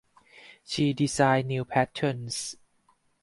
She designed new patterns.